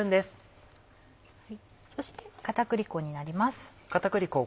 そして片栗粉になります。